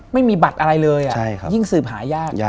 ไม่มีบัตรอะไรเลยยิ่งสืบหายาก